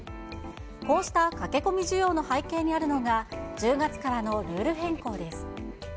こうした駆け込み需要の背景にあるのが、１０月からのルール変更です。